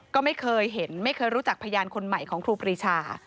ก็ไม่เคยเห็นไม่เคยรู้จักพยานคนใหม่ของครูปรีชา